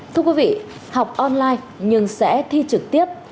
thưa quý vị học online nhưng sẽ thi trực tiếp